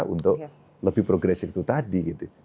untuk lebih progresif itu tadi